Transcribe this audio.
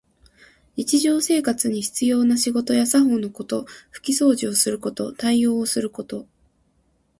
日常生活に必要な仕事や作法のこと。ふきそうじをすることと、応対すること。